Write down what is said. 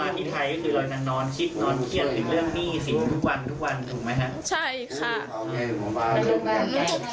ร่างกามยังไม่พอ